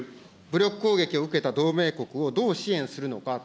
武力攻撃を受けた同盟国をどう支援するのか。